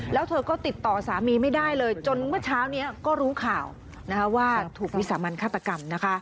แล้วเธอก็ติดต่อสามีไม่ได้เลยจนเมื่อเช้านี้ก็รู้ข่าวว่าถูกวิสามันฆาตกรรมนะคะ